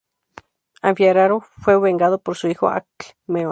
Anfiarao fue vengado por su hijo Alcmeón.